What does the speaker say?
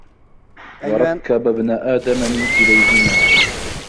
وَرَكَّبَ ابْنَ آدَمَ مِنْ كِلَيْهِمَا